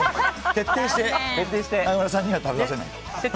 徹底して中村さんには食べさせない。